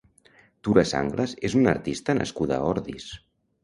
Tura Sanglas és una artista nascuda a Ordis.